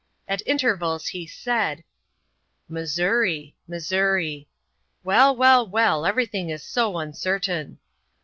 At intervals he said: "Missouri. Missouri. Well, well, well, everything is so uncertain."